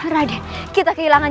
raden kita kehilangan